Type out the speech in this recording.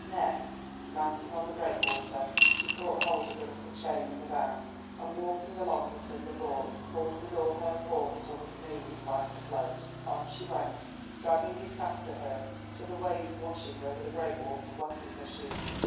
Next, mounting on the breakwater, she caught hold of the little chain in the bow, and walking along the timber baulks, pulled with all her force till the canoe was quite afloat. On she went, dragging it after her, till the waves washing over the breakwater wetted her shoes.